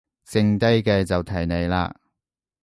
剩低嘅就睇你喇